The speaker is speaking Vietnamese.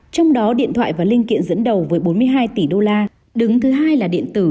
trong đó điện thoại và linh kiện dẫn đầu với bốn mươi hai tỷ đô la đứng thứ hai là điện tử